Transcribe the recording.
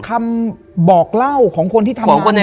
คำบอกเล่าของคนที่ทำงานอยู่